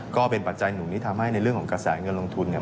ปัจจัยหนึ่งที่ทำให้ในเรื่องของกระแสเงินลงทุนเนี่ย